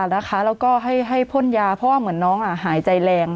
แล้วก็ให้พ่นยาเพราะว่าเหมือนน้องหายใจแรง